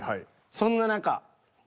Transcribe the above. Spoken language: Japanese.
そんな中。